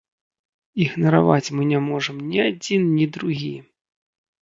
Ігнараваць мы не можам ні адзін, ні другі.